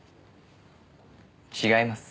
違います。